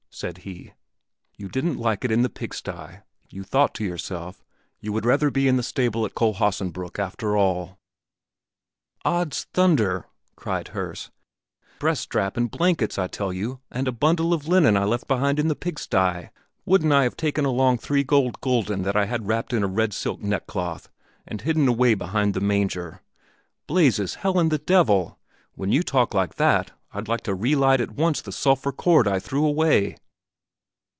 said he; "You didn't like it in the pigsty; you thought to yourself, you would rather be in the stable at Kohlhaasenbrück, after all!" "Od's thunder!" cried Herse; "breast strap and blankets I tell you, and a bundle of linen I left behind in the pigsty. Wouldn't I have taken along three gold gulden that I had wrapped in a red silk neckcloth and hidden away behind the manger? Blazes, hell, and the devil! When you talk like that, I'd like to relight at once the sulphur cord I threw away!"